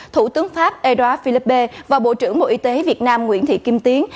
thủ tướng pháp edouard philippe và bộ trưởng bộ y tế việt nam nguyễn thị kim tiến